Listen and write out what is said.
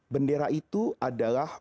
bendera itu adalah